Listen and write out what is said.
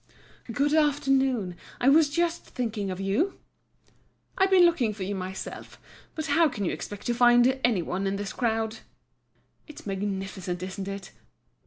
"Good afternoon! I was just thinking of you." "I've been looking for you myself. But how can you expect to find any one in this crowd?" "It's magnificent, isn't it?"